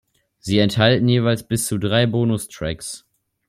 Sie enthalten jeweils bis zu drei Bonustracks.